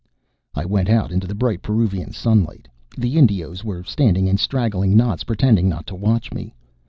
I went out into the bright Peruvian sunlight. The Indios were standing in straggling knots, pretending not to watch me.